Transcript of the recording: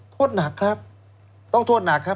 โทษหนักครับต้องโทษหนักครับ